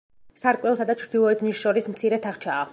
სარკმელსა და ჩრდილოეთ ნიშს შორის მცირე თახჩაა.